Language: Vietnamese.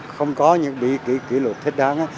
không có những biện pháp kỷ lục thích đáng